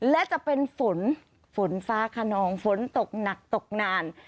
และจะเป็นฝนฝนฟ้าขนองฝนตกหนักตกนาน